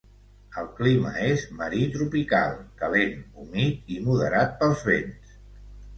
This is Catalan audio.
El clima és marí tropical; calent, humit i moderat pels vents.